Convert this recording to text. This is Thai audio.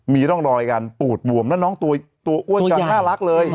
มีร่องรอยการปูดบวมแล้วน้องตัวอ้วนจะน่ารักเลย